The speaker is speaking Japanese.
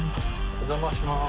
お邪魔します。